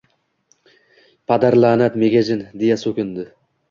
«Padarla’nat, megajin! — deya so‘kindi